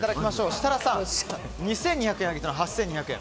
設楽さん、２２００円上げての８２００円。